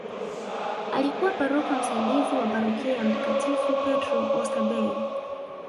Alikuwa paroko msaidizi wa parokia ya mtakatifu Petro oysterbay